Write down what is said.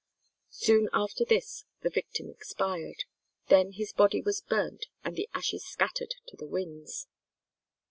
Soon after this the victim expired. Then his body was burnt and the ashes scattered to the winds.